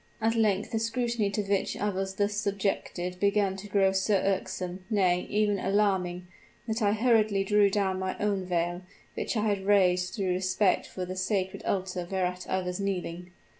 At length the scrutiny to which I was thus subjected began to grow so irksome nay, even alarming, that I hurriedly drew down my own veil, which I had raised through respect for the sacred altar whereat I was kneeling.